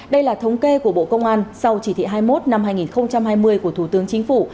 đây là thống kê của bộ công an sau chỉ thị hai mươi một năm hai nghìn hai mươi của thủ tướng chính phủ